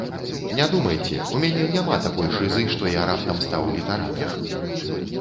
Не думайце, у мяне няма такой шызы, што я раптам стаў літаратарам.